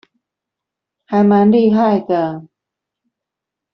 還蠻厲害的